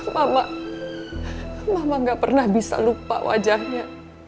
mama gak pernah bisa lupa wajahnya